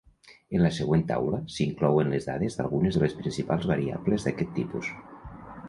En la següent taula s'inclouen les dades d'algunes de les principals variables d'aquest tipus.